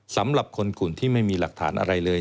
สำหรับคนกลุ่มที่ไม่มีหลักฐานอะไรเลย